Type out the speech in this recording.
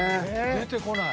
出てこない。